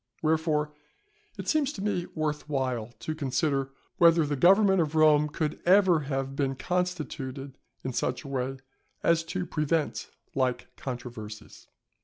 Wherefore, it seems to me worth while to consider whether the government of Rome could ever have been constituted in such a way as to prevent like controversies.